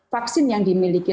vaksin yang dimiliki